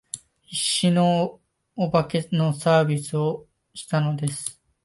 必死のお道化のサービスをしたのです